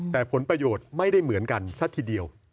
แต่ผลประโยชน์ไม่ได้เหมือนกันซะทีเดียว